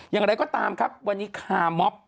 อย่างไรก็ตามครับวันนี้คาร์มอบ